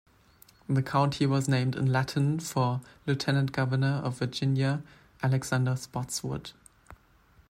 The county was named in Latin for Lieutenant Governor of Virginia Alexander Spotswood.